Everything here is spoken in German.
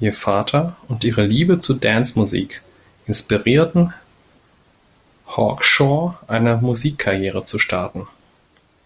Ihr Vater und Ihre Liebe zur Dancemusik inspirierten Hawkshaw, eine Musikkarriere zu starten.